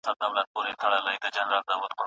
یوه پیداګوژیکه نظریه: